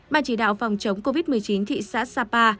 ban chỉ đạo phòng chống covid một mươi chín thị xã sapa